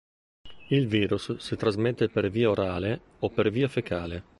Il virus si trasmette per via orale o per via fecale.